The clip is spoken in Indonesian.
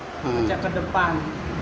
acak ke depan